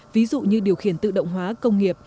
ví dụ như điều khiển tự động hóa công nghiệp